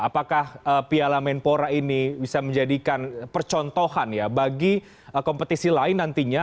apakah piala menpora ini bisa menjadikan percontohan ya bagi kompetisi lain nantinya